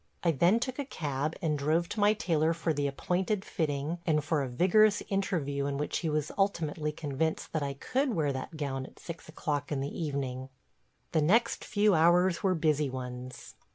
I then took a cab and drove to my tailor for the appointed fitting and for a vigorous interview in which he was ultimately convinced that I could wear that gown at six o'clock in the evening. The next few hours were busy ones.